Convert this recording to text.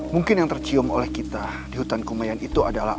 mungkin yang tercium oleh kita di hutan kumayan itu adalah